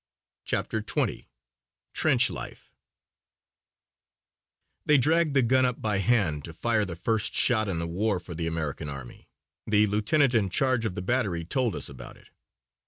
CHAPTER XX TRENCH LIFE They dragged the gun up by hand to fire the first shot in the war for the American army. The lieutenant in charge of the battery told us about it.